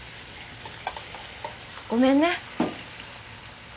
ごめんね。